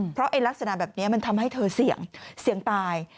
เพราะลักษณะแบบนี้มันทำให้เธอเสี่ยงเสี่ยงตาย